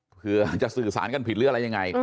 เผื่อจะสื่อสารกันผิดหรืออะไรยังไง